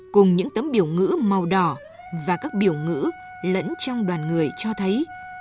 cùng những tấm biểu ngữ màu đỏ và các biểu ngữ lẫn trong đoàn người cho thấy